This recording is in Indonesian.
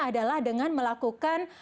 adalah dengan melakukan